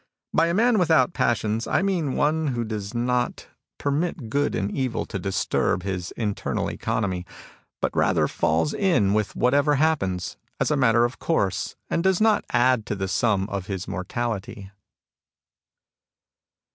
By a man without passions I mean on^ who does not 88 MUSINGS OP A CHINESE MYSTIC permit good and evil to disturb his internal economy, but rather falls in with whatever happens, as a matter of course, and does not add to the sum of his mortality."